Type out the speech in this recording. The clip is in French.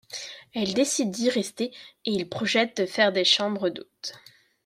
Elle décide d'y rester et ils projettent de faire des chambres d'hôtes.